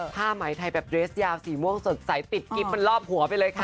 ผ้าไหมไทยแบบเรสยาวสีม่วงสดใสติดกิ๊บมันรอบหัวไปเลยค่ะ